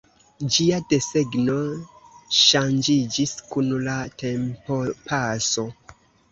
Ĝia desegno ŝanĝiĝis kun la tempopaso.